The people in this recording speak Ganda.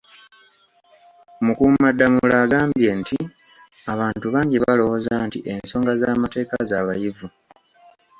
Mukuumaddamula agambye nti abantu bangi balowooza nti ensonga z'amateeka z'abayivu